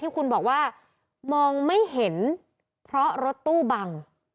คุณบอกว่ามองไม่เห็นเพราะรถตู้บัง